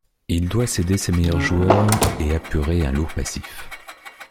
Il doit céder ces meilleurs joueurs, et apurer un lourd passif.